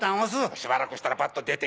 しばらくしたらバッと出て。